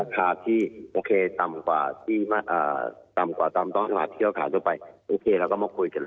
ถ้าราคาที่ต่ำกว่าต้องหาเที่ยวขาด้วยไปโอเคแล้วก็มาคุยกัน